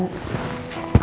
itu dia kita